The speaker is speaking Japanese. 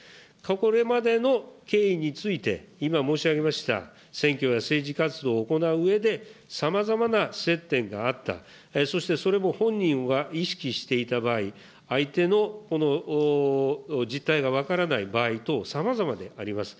これまでの経緯について、今申し上げました、選挙や政治活動を行ううえでさまざまな接点があった、そして、それも本人は意識していた場合、相手のこの実態が分からない場合等、さまざまであります。